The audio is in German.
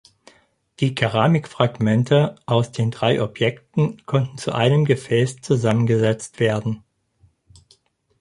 Die Keramikfragmente aus den drei Objekten konnten zu einem Gefäß zusammengesetzt werden.